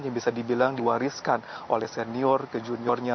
yang bisa dibilang diwariskan oleh senior ke juniornya